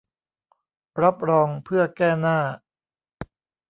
รับรองเพื่อแก้หน้า